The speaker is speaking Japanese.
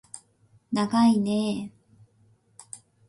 ながいねー